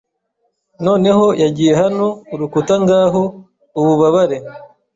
Noneho yagiye hano urukuta ngaho ububabare